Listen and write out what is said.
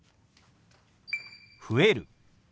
「増える」。